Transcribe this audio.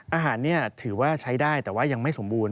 อาหารนี้ถือว่าใช้ได้แต่ว่ายังไม่สมบูรณ